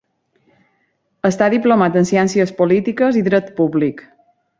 Està diplomat en ciències polítiques i dret públic.